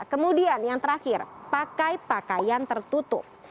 kemudian yang terakhir pakai pakaian tertutup